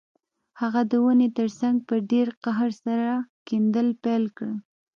هغه د ونې ترڅنګ په ډیر قهر سره کیندل پیل کړل